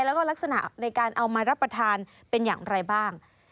แล้วก็ลักษณะในการเอามารับประทานเป็นอย่างไรบ้าง